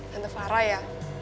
tante farah ya